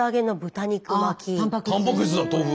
たんぱく質だ豆腐。